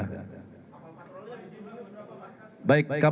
kapal patroli ini berapa pak